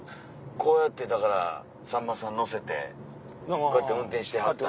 こうやってだからさんまさん乗せてこうやって運転してはったんや。